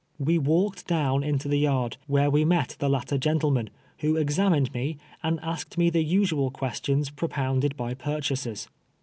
AVe walked down into the yard, Avhere we met the latter gentleman, who ex amined me, and asked me the usual questions pro pounded by purchasers.